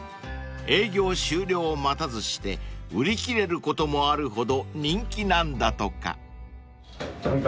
［営業終了を待たずして売り切れることもあるほど人気なんだとか］